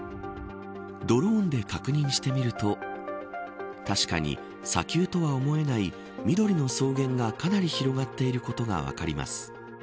ドローンで確認してみると確かに砂丘とは思えない緑の草原がかなり広がっていることが分かります。